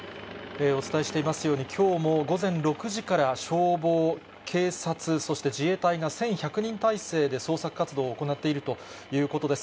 お伝えしていますように、きょうも午前６時から、消防、警察、そして自衛隊が１１００人態勢で捜索活動を行っているということです。